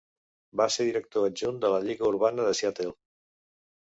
Va ser director adjunt de la Lliga Urbana de Seattle.